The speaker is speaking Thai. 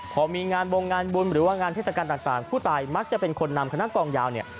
พอมีงานบงงานบุญหรือว่างานเทศกาลต่างผู้ตายมักจะเป็นคนนำคณะกองยาวเนี่ย